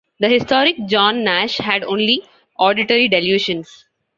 The historic John Nash had only auditory delusions.